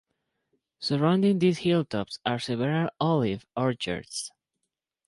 Surrounding these hilltops are several olive orchards.